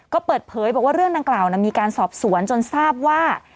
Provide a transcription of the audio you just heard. ก็เปิดเผยบอกว่าเรื่องดังกล่าวมีการสอบสวนจนทราบว่า